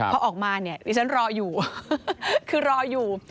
พอออกมาฉันรออยู่คือรออยู่